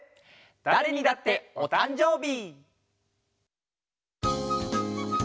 「だれにだっておたんじょうび」！